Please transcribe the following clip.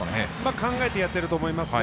考えてやっていると思いますね。